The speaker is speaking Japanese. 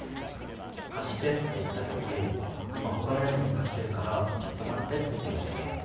貸してって言ったとき今他のやつに貸してるからちょっと待ってって言われて。